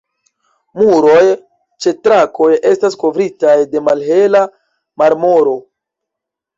Muroj ĉe trakoj estas kovritaj de malhela marmoro.